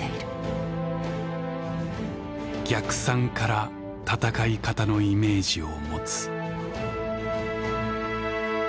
「逆算から戦い方のイメージを持つ」。